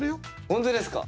本当ですか？